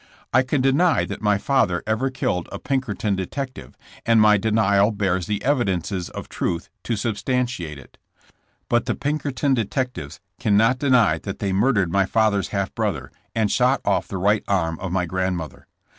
I can deny that my father ever killed a Pinkerton detective, and my denial bears the evidences of truth to substantiate it. But the Pinkerton detectives cannot deny that they mur dered my father's half brother, and shot off the right arm of my grandmother.